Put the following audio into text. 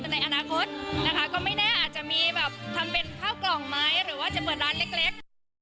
แต่ในอนาคตนะคะก็ไม่แน่อาจจะมีแบบทำเป็นข้าวกล่องไหมหรือว่าจะเปิดร้านเล็ก